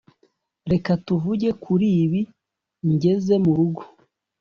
Reka tuvuge kuri ibi ngeze murugo